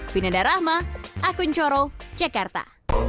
vinanda rahma akun coro jakarta